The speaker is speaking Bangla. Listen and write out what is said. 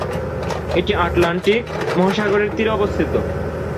এটি আটলান্টিক মহাসাগরের তীরে অবস্থিত।